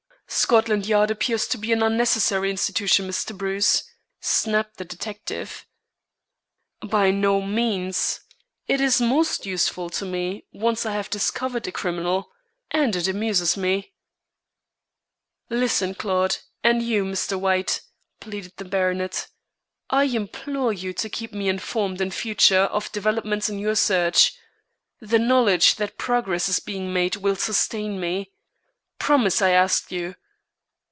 "Scotland Yard appears to be an unnecessary institution, Mr. Bruce," snapped the detective. "By no means. It is most useful to me once I have discovered a criminal. And it amuses me." "Listen, Claude, and you, Mr. White," pleaded the baronet. "I implore you to keep me informed in future of developments in your search. The knowledge that progress is being made will sustain me. Promise, I ask you."